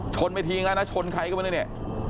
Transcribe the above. โชนไปทิ้งแล้วชนใครกับมันนี่